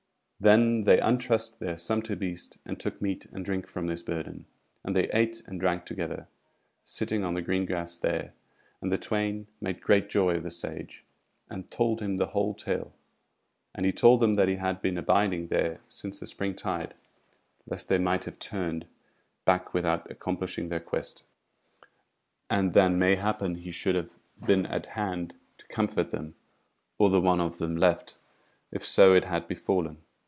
Then they untrussed their sumpter beast, and took meat and drink from his burden, and they ate and drank together, sitting on the green grass there; and the twain made great joy of the Sage, and told him the whole tale; and he told them that he had been abiding there since the spring tide, lest they might have turned back without accomplishing their quest, and then may happen he should have been at hand to comfort them, or the one of them left, if so it had befallen.